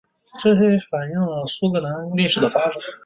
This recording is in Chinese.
这些影响反映了苏里南历史的发展。